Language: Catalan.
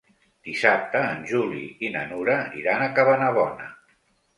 Dissabte en Juli i na Nura iran a Cabanabona.